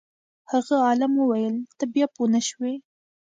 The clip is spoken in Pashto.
هغه عالم وویل ته بیا پوه نه شوې.